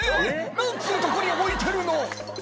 「何つうとこに置いてるの！」